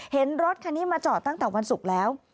เห็นรถคันนี้มาจอดตั้งแต่วันศุกร์แล้ว